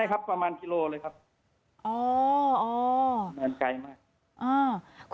พอที่ตำรวจเขามาขอ